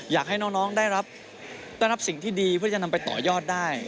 อยากให้น้องได้รับสิ่งที่ดีเพื่อจะนำไปต่อยอดได้